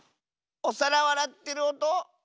おさらをあらってるおと？